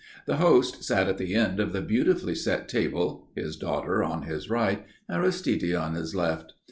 The host sat at the end of the beautifully set table, his daughter on his right, Aristide on his left.